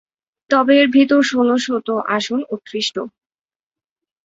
তবে এর ভিতর ষোল শত আসন উৎকৃষ্ট।